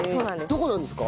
どこなんですか？